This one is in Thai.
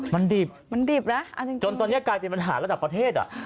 มันดิบมันดิบนะจนตอนนี้กลายเป็นปัญหาระดับประเทศอ่ะ